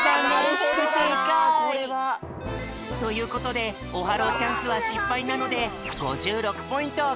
ふせいかい！ということでオハローチャンスはしっぱいなので５６ポイントをかくとく！